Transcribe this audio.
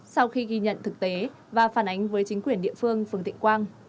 sau khi ghi nhận thực tế và phản ánh với chính quyền địa phương phường thịnh quang